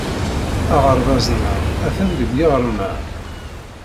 Aɣerbaz-nneɣ atan deg yiɣrem-a.